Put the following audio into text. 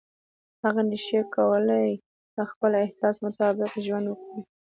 هغه نشي کولای د خپل احساس مطابق ژوند وکړي.